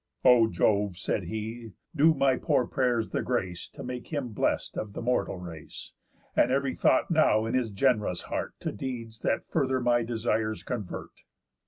_ "O Jove," said he, "do my poor pray'rs the grace To make him blessed'st of the mortal race, And ev'ry thought now in his gen'rous heart To deeds that further my desires convert."